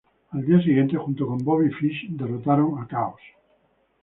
Al día siguiente, junto con Bobby Fish, derrotaron a Chaos.